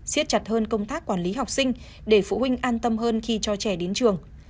xiết chặt hơn công tác quản lý học sinh để phụ huynh an tâm hơn khi cho trẻ đến trường